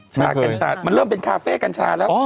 ชากัญชามันเริ่มเป็นคาเฟ่กัญชาแล้ว